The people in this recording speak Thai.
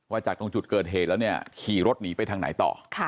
จากตรงจุดเกิดเหตุแล้วเนี่ยขี่รถหนีไปทางไหนต่อ